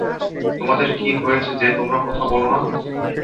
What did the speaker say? তোমাদের কী হয়েছে যে তোমরা কথা বলনা?